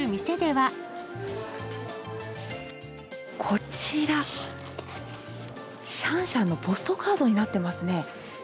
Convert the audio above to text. こちら、シャンシャンのポストカードになってますね。